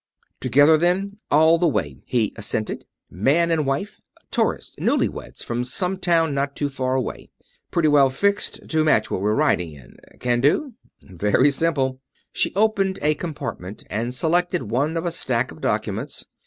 "Together, then, all the way," he assented. "Man and wife. Tourists newlyweds from some town not too far away. Pretty well fixed, to match what we're riding in. Can do?" "Very simple." She opened a compartment and selected one of a stack of documents.